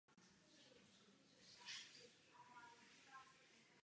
U průvodce je možno zakoupit jednoduché občerstvení.